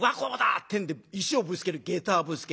ってんで石をぶつける下駄はぶつける。